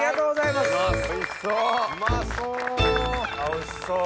おいしそう！